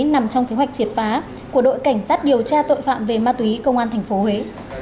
nằm trong kế hoạch triệt phá của đội cảnh sát điều tra tội phạm về ma túy công an tp huế